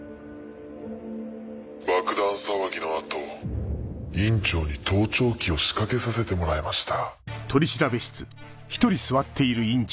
爆弾騒ぎの後院長に盗聴器を仕掛けさせてもらいました。